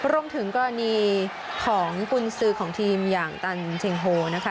รวมถึงกรณีของกุญสือของทีมอย่างตันเชงโฮนะคะ